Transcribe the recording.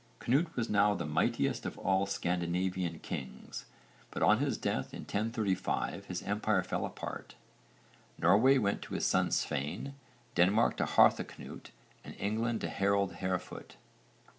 Cnut was now the mightiest of all Scandinavian kings, but on his death in 1035 his empire fell apart; Norway went to his son Svein, Denmark to Harthacnut and England to Harold Harefoot.